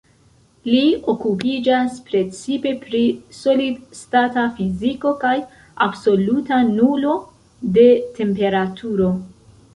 Li okupiĝas precipe pri solid-stata fiziko kaj absoluta nulo de temperaturo.